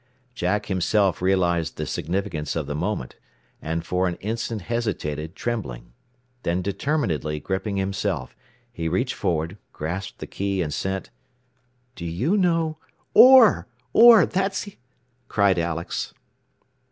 Jack himself realized the significance of the moment, and for an instant hesitated, trembling. Then determinedly gripping himself he reached forward, grasped the key, and sent, "Do you know " "Orr! Orr! That's he!" cried Alex.